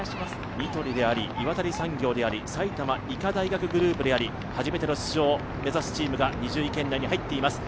ニトリであり、岩谷産業であり埼玉医科大学グループであり、初めての出場を目指すチームが２０位圏内に入っています。